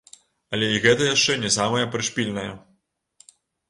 Але і гэта яшчэ не самае прышпільнае.